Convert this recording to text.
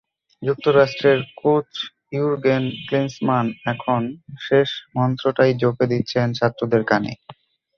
যুক্তরাষ্ট্রের coach Jurgen Klinsmann এখন শেষ মন্ত্রটাই জপে দিচ্ছেন ছাত্রদের কানে।